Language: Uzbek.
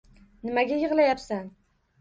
Nimaga yigʻlayapsan